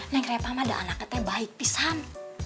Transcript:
neng repah mah dah anak teh baik pisan